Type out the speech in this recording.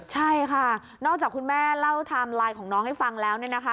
ใช่ค่ะนอกจากคุณแม่เล่าทำไลน์ของน้องให้ฟังแล้ว